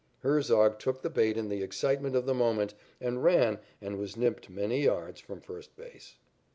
Herzog took the bait in the excitement of the moment and ran and was nipped many yards from first base.